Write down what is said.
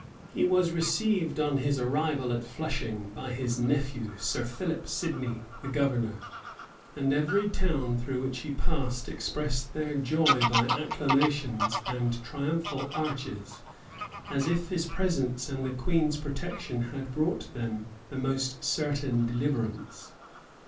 He was received on his arrival at Flushing by his nephew, Sir Philip Sidney, the governor; and every town through which he passed expressed their joy by acclamations and triumphal arches, as if his presence and the queen's protection had brought them the most certain deliverance.